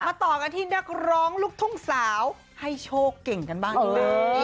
ต่อกันที่นักร้องลูกทุ่งสาวให้โชคเก่งกันบ้างดีกว่า